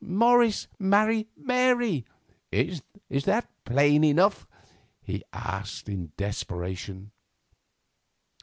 Morris marry Mary? Is that plain enough?" he asked in desperation.